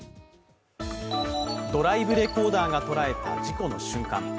ドライブレコーダーが捉えた事故の瞬間。